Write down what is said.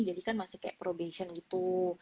jadi kan masih kayak probation gitu